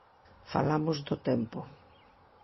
Falamos do tempo.